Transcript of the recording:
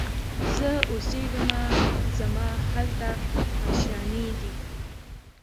زه اوسېږمه زما هلته آشیانې دي